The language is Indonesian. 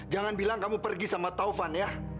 jangan bilang kamu pergi sama taufan ya